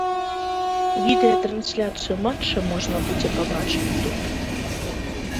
Відэатрансляцыю матча можна будзе пабачыць тут.